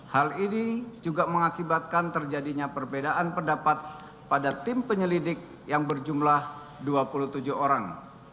hal ini juga mengakibatkan terjadinya perbedaan pendapat pada tim penyelidik yang berjumlah dua puluh tujuh orang